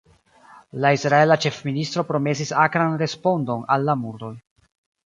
La israela ĉefministro promesis akran respondon al la murdoj.